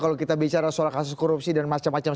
kalau kita bicara soal kasus korupsi dan macam macam